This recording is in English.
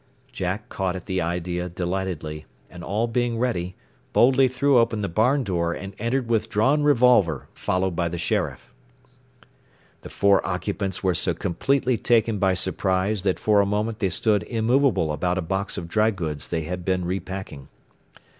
Jack caught at the idea delightedly, and all being ready, boldly threw open the barn door and entered with drawn revolver, followed by the sheriff. The four occupants were so completely taken by surprise that for a moment they stood immovable about a box of dry goods they had been repacking.